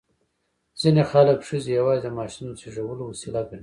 ځینې خلک ښځې یوازې د ماشوم زېږولو وسیله ګڼي.